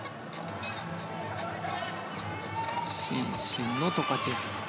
伸身のトカチェフ。